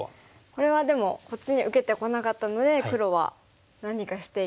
これはでもこっちに受けてこなかったので黒は何かしていきたいですよね。